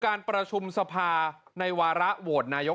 การประชุมสภาในวาระโหวตนายก